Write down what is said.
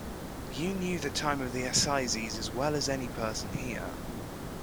You knew the Time of the Assizes as well as any Person here.